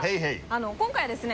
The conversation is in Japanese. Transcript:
今回ですね